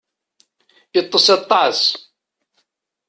Itess aṭas.